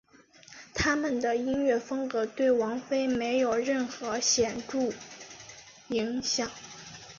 但他们的音乐风格对王菲没有任何显着影响。